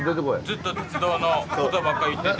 ・ずっと鉄道の事ばっか言ってて。